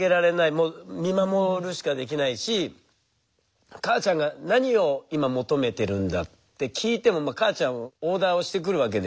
もう見守るしかできないし母ちゃんが何を今求めてるんだって聞いても母ちゃんオーダーをしてくるわけではないんで。